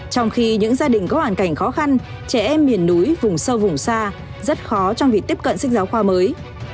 trong khi những gia đình có hoàn cảnh khó khăn trẻ em miền núi vùng sâu vùng xa rất khó trong việc tiếp cận sách giáo khoa mới